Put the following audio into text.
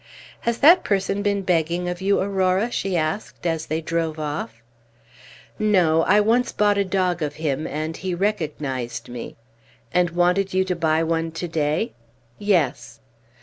"Has that person been begging of you, Aurora?" she asked, as they drove off. "No. I once bought a dog of him, and he recognized me." "And wanted you to buy one to day?" "Yes."